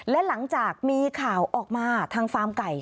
และหลังจากมีข่าวออกมาทางฟาร์มไก่